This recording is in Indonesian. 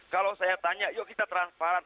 kalau saya tanya yuk kita transparan